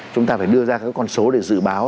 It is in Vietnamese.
chúng ta phải đưa ra các con số để dự báo